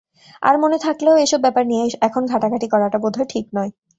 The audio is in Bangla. আর মনে থাকলেও এইসব ব্যাপার নিয়ে এখন ঘাঁটাঘাঁটি করাটা বোধহয় ঠিক নয়।